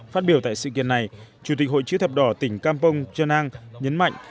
phát biểu tại sự kiện này chủ tịch hội chữ thập đỏ tỉnh campong trà năng nhấn mạnh